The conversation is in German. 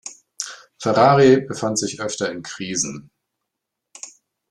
Ferrari befand sich öfter in Krisen.